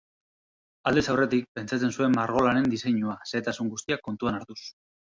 Aldez aurretik pentsatzen zuen margolanen diseinua, xehetasun guztiak kontuan hartuz.